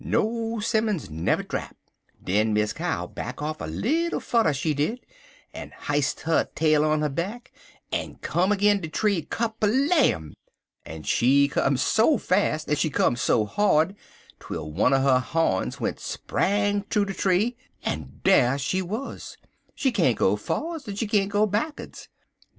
No 'simmons never drap. Den Miss Cow back off little fudder, she did, en hi'st her tail on 'er back, en come agin de tree, kerblam! en she come so fas', en she come so hard, twel one 'er her horns went spang thoo de tree, en dar she wuz. She can't go forerds, en she can't go backerds.